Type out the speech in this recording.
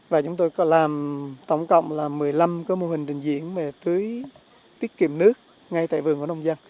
và chúng tôi làm tổng cộng một mươi năm mô hình trình diễn về tưới tiết kiệm nước ngay tại vườn của nông dân